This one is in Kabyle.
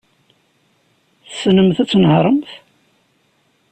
Tessnemt ad tnehṛemt?